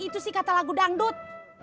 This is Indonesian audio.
itu sih kata lagu dangdut